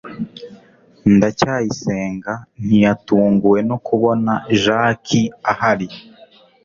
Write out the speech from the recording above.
ndacyayisenga ntiyatunguwe no kubona jaki ahari